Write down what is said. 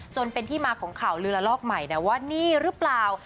จนเป็นที่มาของข่าวลือละลอกใหม่นะว่านี่หรือเปล่า